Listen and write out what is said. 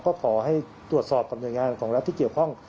ก็ขอให้ตรวจสอบบัญญาณของเราที่เกี่ยวข้อง